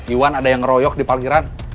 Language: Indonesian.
iwan ada yang ngeroyok di parkiran